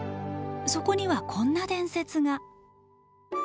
そこにはこんな伝説が。